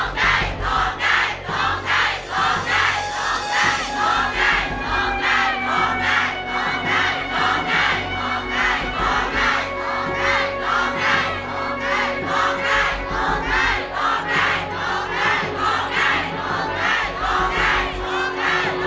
ถูกไงถูกไงถูกไงถูกไงถูกไงถูกไง